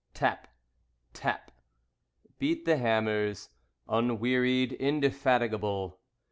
Tap! Tap! Beat the hammers, Unwearied, indefatigable.